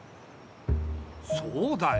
そうだよ。